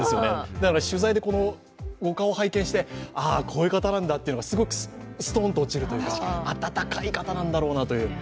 なので取材でお顔を拝見してああ、こういう方なんだってすごくすとんと落ちるというか、温かい方なんだろうなという。